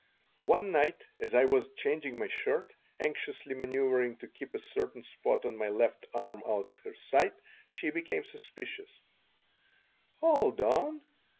One night, as I was changing my shirt, anxiously manoeuvering to keep a certain spot on my left arm out of her sight, she became suspicious "Hold on.